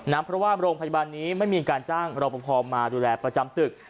เพราะว่าโรงพยาบาลนี้ไม่มีการจ้างรอปภมาดูแลประจำตึก